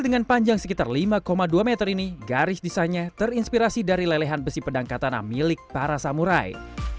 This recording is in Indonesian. dengan panjang sekitar lima dua meter ini garis desainnya terinspirasi dari lelehan besi pedang katana milik para samurai